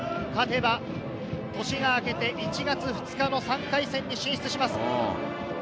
勝てば年が明けて１月２日の３回戦に進出します。